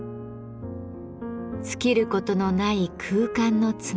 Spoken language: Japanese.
尽きることのない空間のつながり。